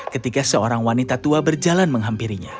ketika seorang wanita tua berjalan menghampirinya